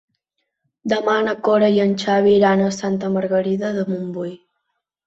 Demà na Cora i en Xavi iran a Santa Margarida de Montbui.